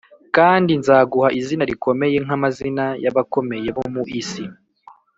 kandi nzaguha izina rikomeye nk’amazina y’abakomeye bo mu isi.